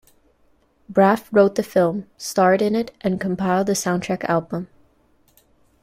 Braff wrote the film, starred in it, and compiled the soundtrack album.